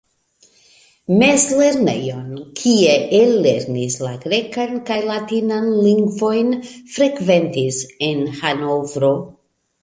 Mezlernejon, kie ellernis la grekan kaj latinan lingvojn, frekventis en Hanovro.